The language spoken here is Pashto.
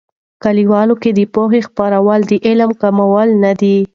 کلیوالو کې د پوهې خپرول، د علم کموالی نه دي.